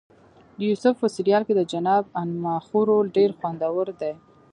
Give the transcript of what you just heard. د یوسف په سریال کې د جناب انخماخو رول ډېر خوندور دی.